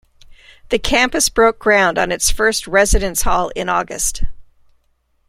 The campus broke ground on its first residence hall in August.